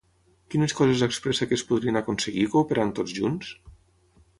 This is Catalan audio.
Quines coses expressa que es podrien aconseguir cooperant tots junts?